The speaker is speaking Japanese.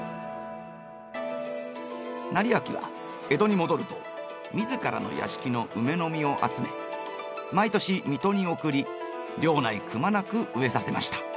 斉昭は江戸に戻ると自らの屋敷のウメの実を集め毎年水戸に送り領内くまなく植えさせました。